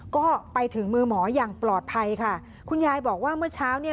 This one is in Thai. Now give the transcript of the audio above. ก็ไปถึงมือหมออย่างปลอดภัยค่ะคุณยายบอกว่าเมื่อเช้าเนี่ย